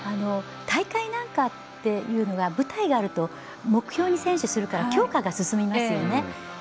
大会なんかっていうのは舞台があると目標に選手はするから強化が進みますよね。